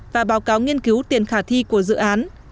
và báo cáo nghiên cứu tiền khả thi của dự án